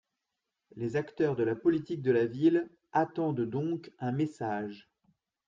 Les acteurs de la politique de la ville attendent donc un message.